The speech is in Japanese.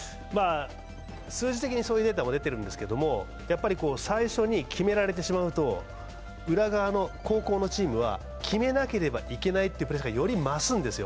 数字的にそういうデータも出ているんですけど最初に決められてしまうと裏側の後攻のチームは決めなければいけないというプレッシャーがより増すわけですよ。